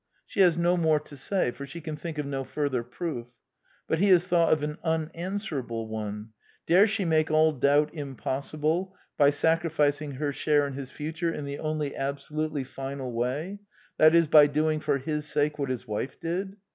She has no more to say; for she can think of no further proof. But he has thought of an unanswerable one. Dare she make all doubt impossible by sacrificing her share in his future in the only absolutely final way: that is, by doing for his sake what his wife did?